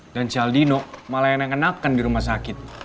dan si aldino malah yang nengenakan di rumah sakit